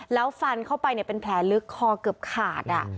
แล้วฟันเข้าไปเป็นแผลลึกคอเกือบขาด